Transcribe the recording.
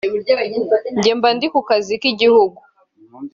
njye mba ndi ku kazi k’igihugu